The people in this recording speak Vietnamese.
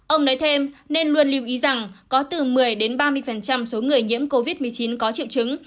ông nói thêm nên luôn lưu ý rằng có từ một mươi ba mươi số người nhiễm covid một mươi chín có triệu chứng